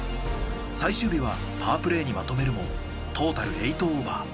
最終日はパープレーにまとめるもトータル８オーバー。